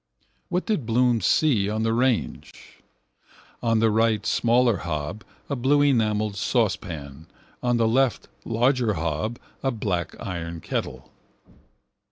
What did Bloom see on the range? On the right (smaller) hob a blue enamelled saucepan: on the left (larger) hob a black iron kettle.